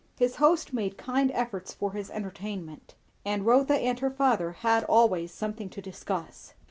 His host made kind efforts for his entertainment; and Rotha and her father had always something to discuss.